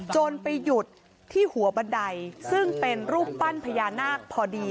จนไปหยุดที่หัวบันไดซึ่งเป็นรูปปั้นพญานาคพอดี